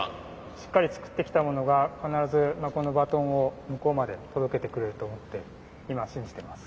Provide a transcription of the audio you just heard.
しっかり作ってきたものが必ずこのバトンを向こうまで届けてくれると思って今は信じてます。